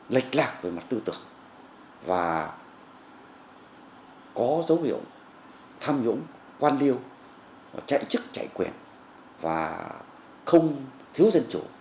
lệch lạc về mặt tư tưởng và có dấu hiệu tham nhũng quan liêu chạy chức chạy quyền và không thiếu dân chủ